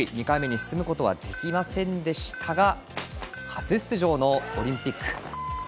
２回目に進むことはできませんでしたが初出場のオリンピック。